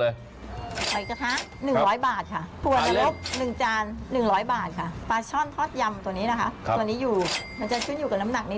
แต่ก็ขึ้นอยู่กับขนาดนี้